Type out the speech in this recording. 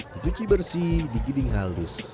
dicuci bersih digiling halus